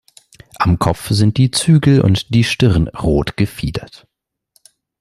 Am Kopf sind die Zügel und die Stirn rot gefiedert.